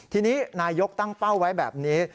ทีนี้นายกรัฐมนตรีตั้งเป้าไว้แบบนี้